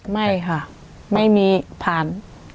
ไม่ค่ะไม่มีผ่าน